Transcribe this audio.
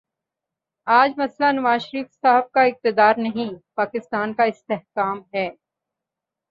آج مسئلہ نواز شریف صاحب کا اقتدار نہیں، پاکستان کا استحکام ہے۔